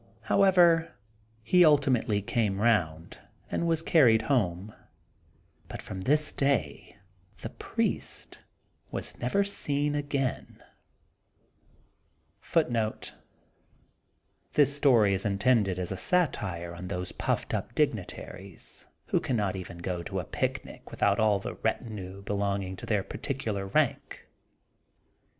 However, he ultimately came round and was carried home; but from this day the priest was never seen again. FOOTNOTES: See No. CXXXI., note 250. The story is intended as a satire on those puffed up dignitaries who cannot even go to a picnic without all the retinue belonging to their particular rank.